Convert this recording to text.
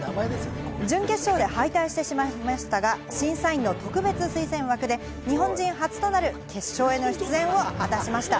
準決勝で敗退してしまいましたが、審査員の特別推薦枠で日本人初となる決勝への出演を果たしました。